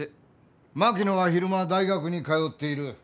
槙野は昼間大学に通っている。